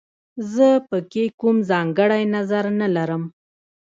زه په کې کوم ځانګړی نظر نه لرم